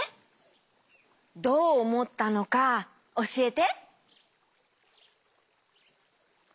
どうおもったのかおしえて。